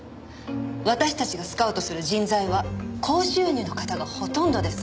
私たちがスカウトする人材は高収入の方がほとんどです。